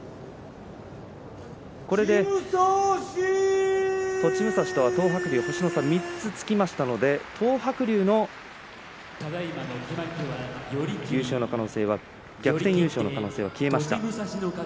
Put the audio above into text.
これで栃武蔵とは東白龍は星の差３つつきましたので東白龍の逆転優勝の可能性は消えました。